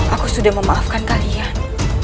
aku sudah memaafkan kalian